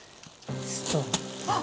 あっ！